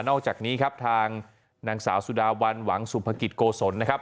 อกจากนี้ครับทางนางสาวสุดาวันหวังสุภกิจโกศลนะครับ